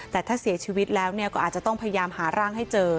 แต่ถ้าเสียชีวิตแล้วก็อาจจะต้องพยายามหาร่างให้เจอ